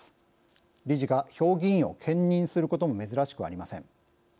理事が評議員を兼任することも珍しくありません。